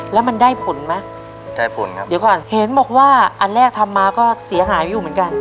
แล้วมันได้ผลไหมได้ผลครับเดี๋ยวก่อนเห็นบอกว่าอันแรกทำมาก็เสียหายอยู่เหมือนกัน